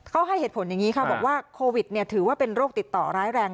เขาให้เหตุผลอย่างนี้ค่ะบอกว่าโควิดถือว่าเป็นโรคติดต่อร้ายแรง